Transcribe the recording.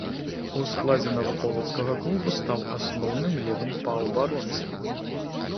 У складзе наваполацкага клуба стаў асноўным левым паўабаронцам.